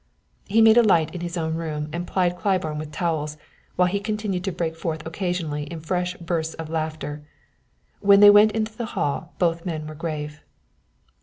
He made a light in his own room and plied Claiborne with towels, while he continued to break forth occasionally in fresh bursts of laughter. When they went into the hall both men were grave.